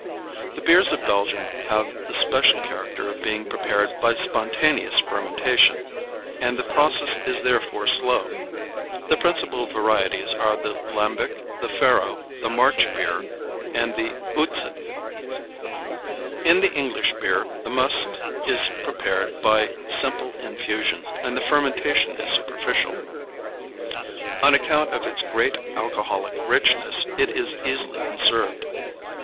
The beers of Belgium have the special character of being prepared by spontaneous fermentation, and the process is therefore slow. The principal varieties are the Lambick, the Faro, the March beer, and the Uytzd. In the English beer the must is prepared by simple infusion and the fermentation is superficial. On account of its great alcoholic richness it is easily conserved.